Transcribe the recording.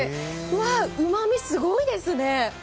うまみ、すごいですね。